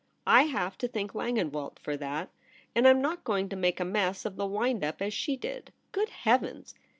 I have to thank Langenwelt for that ; and I'm not going to make a mess of the wind up as she did. Good heavens